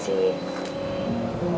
sekarang adem kan